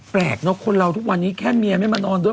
แปลกเนอะคนเราทุกวันนี้แค่เมียไม่มานอนด้วย